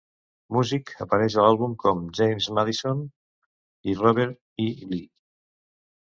Music apareix a l'àlbum com James Madison i Robert E. Lee.